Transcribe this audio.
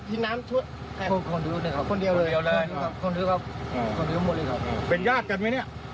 มีใครช่วยไหม